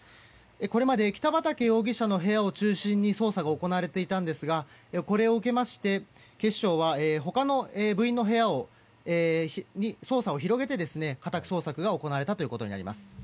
これまで北畠容疑者の部屋を中心に捜査が行われていたんですがこれを受けまして、警視庁は他の部員の部屋の捜査を広げて家宅捜索が行われたということになります。